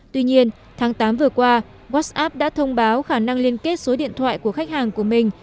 tuy nhiên tháng tám vừa qua whatsapp đã thông báo khả năng liên kết số điện thoại của khách hàng của mình